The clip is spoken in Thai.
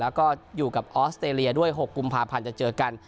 แล้วก็อยู่กับออสเตรเลียด้วย๖กุมภาพันธ์จะเจอกัน